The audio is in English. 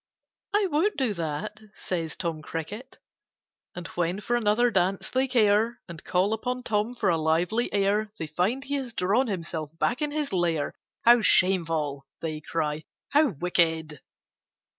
"I won't do that," says Tom Cricket. And when for another dance they care, And call upon Tom for a lively air, They find he has drawn himself back in his lair. "How shameful," they cry, "How wicked!"